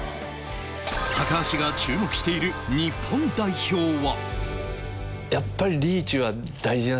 高橋が注目している日本代表は？